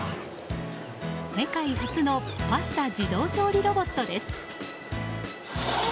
世界初のパスタ自動調理ロボットです。